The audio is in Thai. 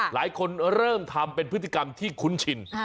หลายคนเริ่มทำเป็นพฤติกรรมที่คุ้นชิน